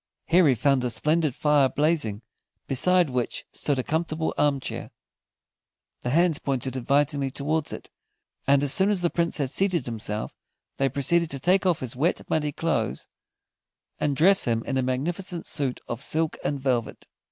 Here he found a splendid fire blazing, beside which stood a comfortable arm chair; the hands pointed invitingly towards it, and as soon as the Prince had seated himself they proceeded to take off his wet, muddy clothes, and dress him in a magnificent suit of silk and velvet.